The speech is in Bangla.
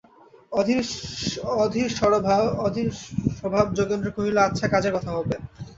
অধীরস্বভাব যোগেন্দ্র কহিল, আচ্ছা, কাজের কথা হবে।